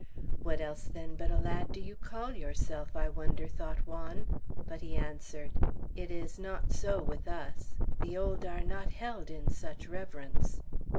"What else, then, but a lad do you call yourself, I wonder?" thought Juan; but he answered, "It is not so with us. The old are not held in such reverence."